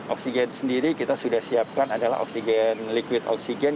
oksigen sendiri kita sudah siapkan adalah oksigen liquid oksigen